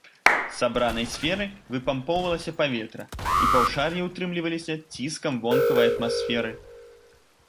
З сабранай сферы выпампоўвалася паветра, і паўшар'і ўтрымліваліся ціскам вонкавай атмасферы.